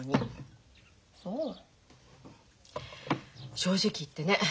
正直言ってね